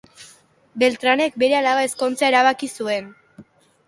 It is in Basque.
Beltranek bere alaba ezkontzea erabaki zuen.